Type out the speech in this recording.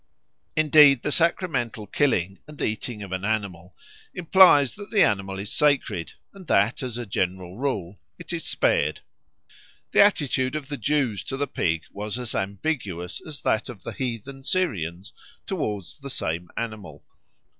Indeed, the sacramental killing and eating of an animal implies that the animal is sacred, and that, as a general rule, it is spared. The attitude of the Jews to the pig was as ambiguous as that of the heathen Syrians towards the same animal.